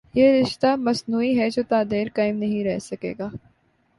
یہ رشتہ مصنوعی ہے جو تا دیر قائم نہیں رہ سکے گا۔